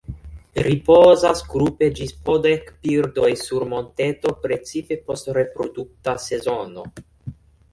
Ripozas grupe ĝis po dek birdoj sur monteto precipe post reprodukta sezono.